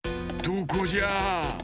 どこじゃ？